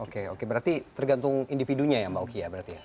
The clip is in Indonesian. oke oke berarti tergantung individunya ya mbak uki ya berarti ya